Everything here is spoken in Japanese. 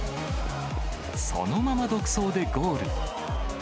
そのまま独走でゴール。